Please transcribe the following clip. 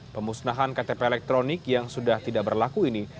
pemusnahan ktp elektronik yang sudah tidak berlaku ini